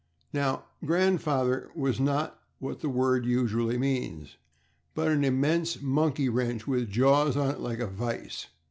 Now, "grandfather" was not what that word usually means, but an immense monkey wrench, with jaws on it like a vise.